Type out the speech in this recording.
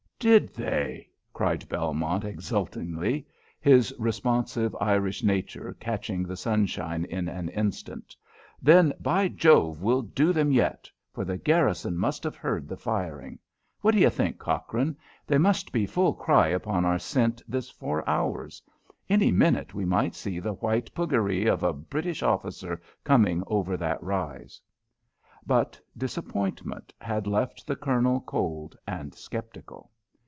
"Did they?" cried Belmont, exultantly, his responsive Irish nature catching the sunshine in an instant. "Then, be Jove, we'll do them yet, for the garrison must have heard the firing. What d'ye think, Cochrane? They must be full cry upon our scent this four hours. Any minute we might see the white puggaree of a British officer coming over that rise." But disappointment had left the Colonel cold and sceptical.